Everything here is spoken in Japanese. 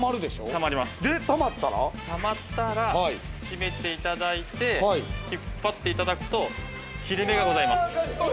たまったら、しめていただいて、引っ張っていただくと切れ目がございます。